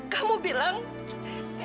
kamu bilang eang serabu bunga mawar